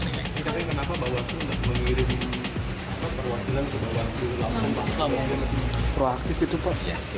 apa bawaslu tidak mengirimi perwakilan bawaslu langsung ke sini